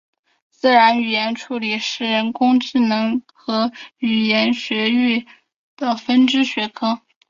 自然语言处理是人工智慧和语言学领域的分支学科。